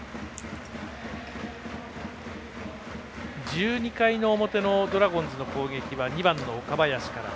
１２回の表のドラゴンズの攻撃は２番の岡林から。